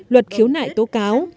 luật khiếu nại tố cáo